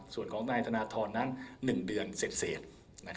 ส่วนของนายธนทรนั้น๑เดือนเสร็จ